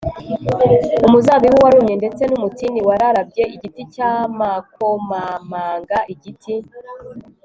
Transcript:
Umuzabibu warumye ndetse n umutini wararabye Igiti cy amakomamanga igiti